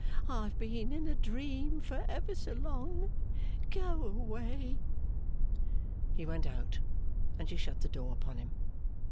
I've been in a dream for ever so long. Go away!' He went out, and she shut the door upon him.